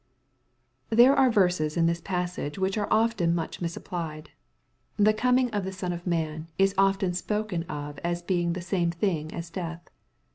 There are verses in this passage which are often much misapplied. " The coming of the Son of man" is often spoken of as being the same thing as death.